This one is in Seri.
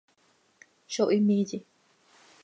Zo him iiye.